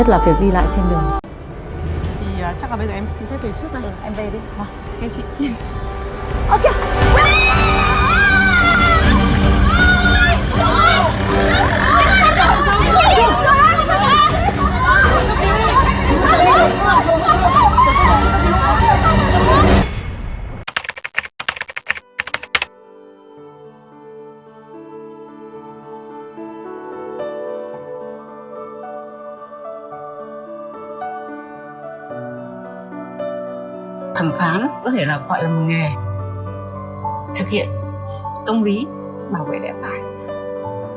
thực hiện công bí bảo vệ lẹo tải